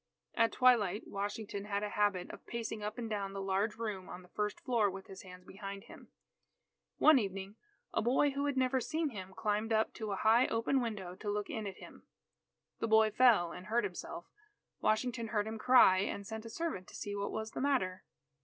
At twilight, Washington had a habit of pacing up and down the large room on the first floor with his hands behind him. One evening, a boy who had never seen him, climbed up to a high open window to look in at him. The boy fell and hurt himself. Washington heard him cry, and sent a servant to see what was the matter.